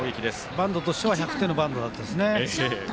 バントとしては１００点のバントでしたね。